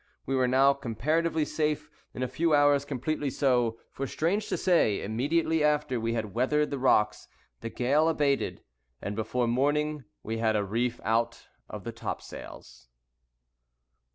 We were now comparatively safe—in a few hours completely so; for, strange to say, immediately after we had weathered the rocks, the gale abated, and before morning we had a reef out of the topsails.